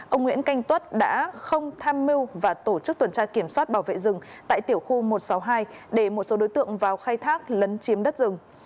ông nguyễn canh tuất đã không tham mưu và tổ chức tuần tra kiểm soát bảo vệ rừng tại tiểu khu một trăm sáu mươi hai để một số đối tượng vào khai thác lấn chiếm đất rừng